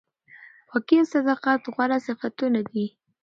پاکي او صداقت غوره صفتونه دي.